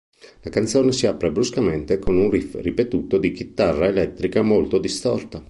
La canzone si apre bruscamente con un riff ripetuto di chitarra elettrica molto distorta.